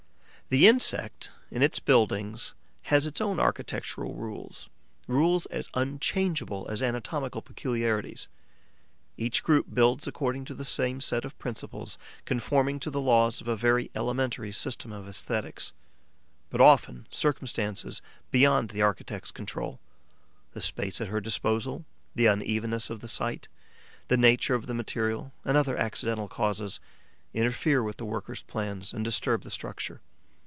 The insect, in its buildings, has its own architectural rules, rules as unchangeable as anatomical peculiarities. Each group builds according to the same set of principles, conforming to the laws of a very elementary system of aesthetics; but often circumstances beyond the architect's control the space at her disposal, the unevenness of the site, the nature of the material and other accidental causes interfere with the worker's plans and disturb the structure.